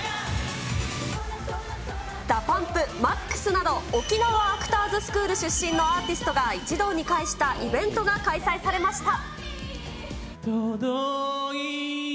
ＤＡＰＵＭＰ、ＭＡＸなど、沖縄アクターズスクールの出身のアーティストが一堂に会したイベントが開催されました。